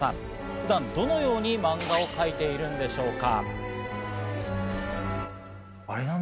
普段どのように漫画を描いているのでしょうか。